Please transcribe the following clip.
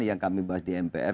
yang kami bahas di mpr